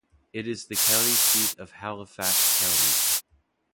It is the county seat of Halifax County.